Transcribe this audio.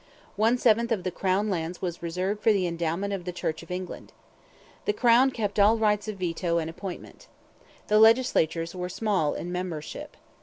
One seventh of the Crown lands was reserved for the endowment of the Church of England. The Crown kept all rights of veto and appointment. The legislatures were small in membership.